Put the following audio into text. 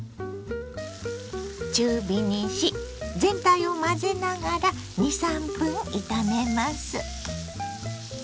中火にし全体を混ぜながら２３分炒めます。